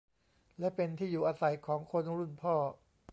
และเป็นที่อยู่อาศัยของคนรุ่นพ่อ